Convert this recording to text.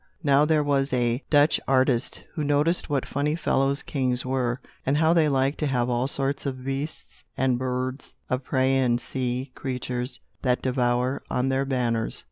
Now there was a Dutch artist, who noticed what funny fellows kings were, and how they liked to have all sorts of beasts and birds of prey, and sea creatures that devour, on their banners.